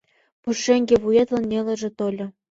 Пушеҥге вуетлан нелыже тольо.